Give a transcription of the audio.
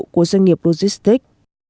của doanh nghiệp logistic